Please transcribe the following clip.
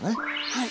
はい。